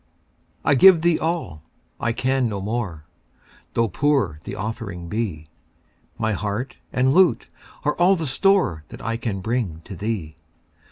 I give thee all I can no more Tho' poor the offering be; My heart and lute are all the store That I can bring to thee.